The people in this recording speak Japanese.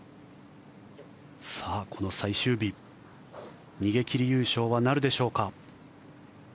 この最終日逃げ切り優勝はなるでしょうか。